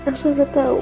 gimana aku sudah tahu